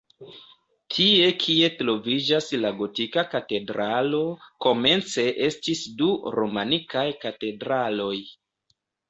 Tie kie troviĝas la gotika katedralo, komence estis du romanikaj katedraloj.